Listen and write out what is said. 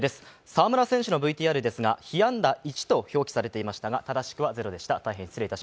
澤村選手のＶＴＲですが被安打１と表記されていましたが正しくは、０でした。